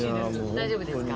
大丈夫ですか？